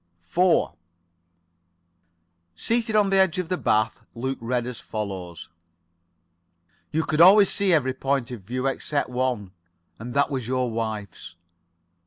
4 Seated on the edge of the bath, Luke read as follows: "You could always see every point of view except one, and that was your wife's.